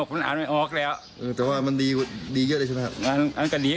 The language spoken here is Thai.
เกาะหัศจรรย์ด้านนี้